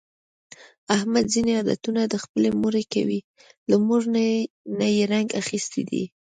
احمد ځني عادتونه د خپلې مور کوي، له مور نه یې رنګ اخیستی دی.